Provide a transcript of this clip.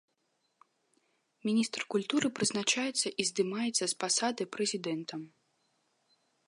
Міністр культуры прызначаецца і здымаецца з пасады прэзідэнтам.